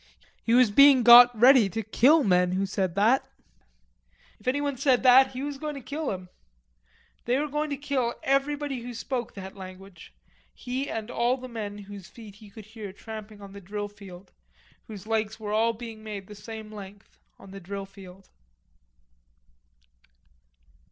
He was being got ready to kill men who said that. If anyone said that, he was going to kill him. They were going to kill everybody who spoke that language, he and all the men whose feet he could hear tramping on the drill field, whose legs were all being made the same length on the drill field.